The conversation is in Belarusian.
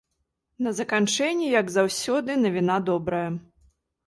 На заканчэнне, як заўсёды, навіна добрая.